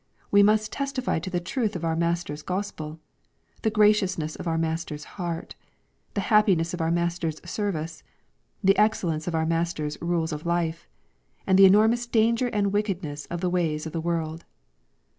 We must testify to the truth of our Master's Gospel, — the graciousness of our Master's heart, — the happiness of our Master's service, — the excellence of our Master's rules of life, — ^and the enormous danger and wickedness of the ways of the world.